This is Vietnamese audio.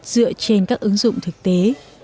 dựa trên các ứng dụng thực tế